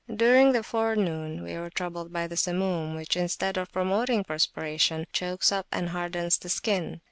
During the forenoon we were troubled by the Samum, which, instead of promoting perspiration, chokes up and hardens the skin.